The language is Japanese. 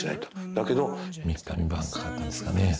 だけど３日３晩かかったんですかね